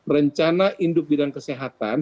rencana induk bidang kesehatan